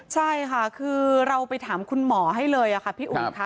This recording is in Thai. ใช่ค่ะคือเราไปถามคุณหมอให้เลยค่ะพี่อุ๋ยค่ะ